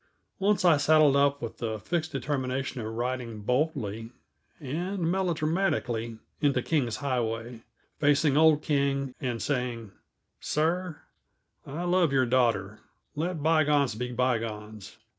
Once I saddled up with the fixed determination of riding boldly and melodramatically into King's Highway, facing old King, and saying: "Sir, I love your daughter. Let bygones be bygones.